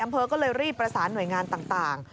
อำเภอก็เลยรีบประสานหน่วยงานต่าง